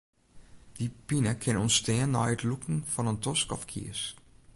Dy pine kin ûntstean nei it lûken fan in tosk of kies.